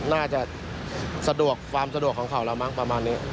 น่าจะสะดวกความสะดวกของเขาแล้วมั้งประมาณนี้